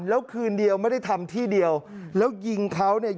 แล้วคืนเดียวไม่ได้ทำที่เดียวแล้วยิงเขาเนี่ย